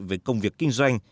về công việc kinh doanh